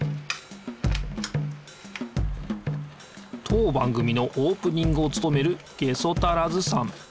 当番組のオープニングをつとめるゲソタラズさん。